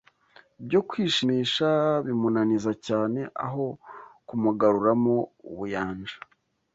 byo kwishimisha bimunaniza cyane aho kumugaruramo ubuyanja